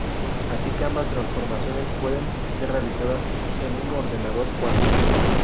Así que ambas transformaciones pueden ser realizadas en un ordenador cuántico.